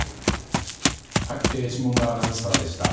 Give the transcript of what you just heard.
下村アナウンサーでした。